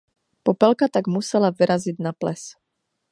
Popelka tak musela vyrazit na ples.